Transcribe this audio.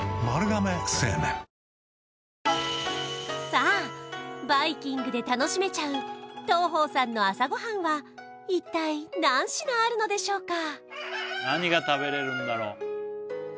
さあバイキングで楽しめちゃう東鳳さんの朝ごはんは一体何品あるのでしょうか？